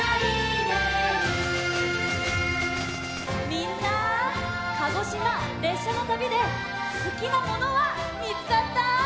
みんな鹿児島れっしゃのたびですきなものはみつかった？